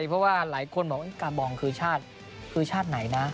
เพราะว่าหลายคนบอกว่ากาบองคือชาติไหนนะ